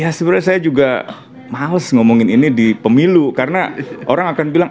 ya sebenarnya saya juga males ngomongin ini di pemilu karena orang akan bilang